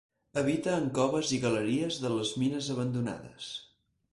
Habita en coves i galeries de les mines abandonades.